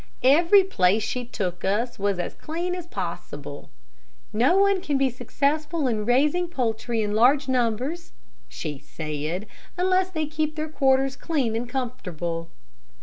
Every place she took us to was as clean as possible. "No one can be successful in raising poultry in large numbers," she said, "unless they keep their quarters clean and comfortable."